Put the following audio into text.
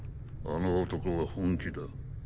あの男は本気だ。